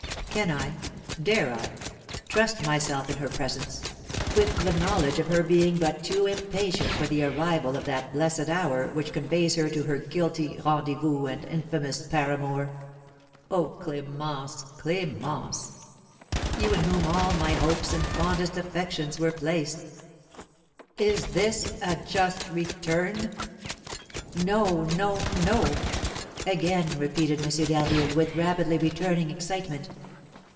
Can I, dare I, trust myself in her presence, with the knowledge of her being but too impatient for the arrival of that blessed hour which conveys her to her guilty rendezvous and infamous paramour? Oh, Clémence, Clémence, you in whom all my hopes and fondest affections were placed, is this a just return? No! no! no!" again repeated M. d'Harville, with rapidly returning excitement.